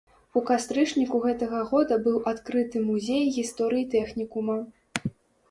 У кастрычніку гэтага года быў адкрыты музей гісторыі тэхнікума.